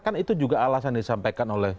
kan itu juga alasan yang disampaikan oleh